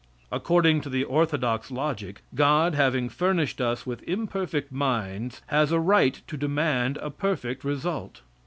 According to the orthodox logic, God having furnished us with imperfect minds has a right to demand a perfect result.